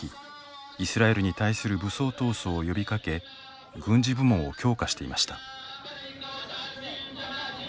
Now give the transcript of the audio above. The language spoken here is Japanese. イスラエルに対する武装闘争を呼びかけ軍事部門を強化していました。